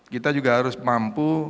kita juga harus mampu